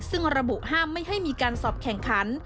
ซึ่งระบุห้ามไม่ให้มีการสอบแข่งขัน